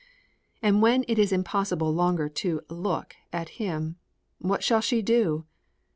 And when it is impossible longer to "look" at him, what shall she do!